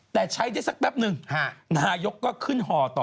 แต่ใช้ได้สักแป๊บนึงนายกก็ขึ้นห่อต่อ